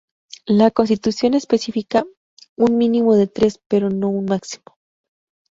La constitución especifica un mínimo de tres pero no un máximo.